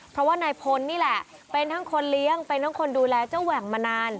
เพราะว่านายพลนี่แหละเป็นทั้งคนเลี้ยงเป็นทั้งคนดูแลเจ้าแหว่งมานาน